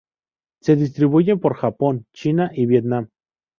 Se distribuyen por Japón, China y Vietnam.